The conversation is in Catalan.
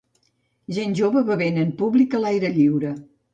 Gent jove bevent en públic a l'aire lliure